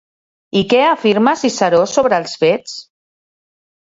I què afirma Ciceró sobre els fets?